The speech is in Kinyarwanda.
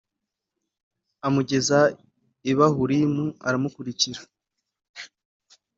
amugeza i Bahurimu aramukurikira